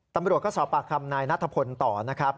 ตำรวจก็สอบปากคำนายนัทพลต่อนะครับ